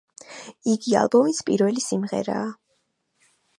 იგი ალბომის პირველი სიმღერაა.